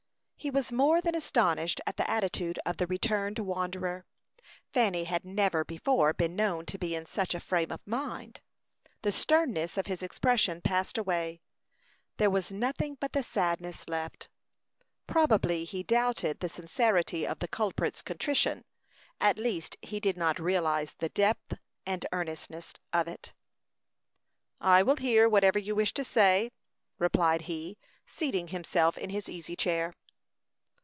He was more than astonished at the attitude of the returned wanderer. Fanny had never before been known to be in such a frame of mind. The sternness of his expression passed away; there was nothing but the sadness left. Probably he doubted the sincerity of the culprit's contrition; at least he did not realize the depth and earnestness of it. "I will hear whatever you wish to say," replied he, seating himself in his easy chair.